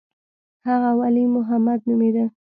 هغه ولي محمد نومېده.